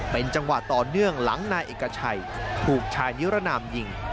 เป็นจังหวะต่อเนื่องหลังนายเอกชัยถูกชายนิรนามยิง